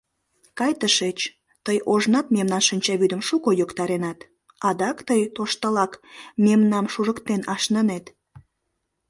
— Кай тышеч, тый ожнат мемнан шинчавӱдым шуко йоктаренат, адак тый тоштылак мемнам шужыктен ашнынет!